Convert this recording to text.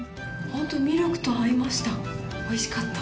本当、ミルクと合いました。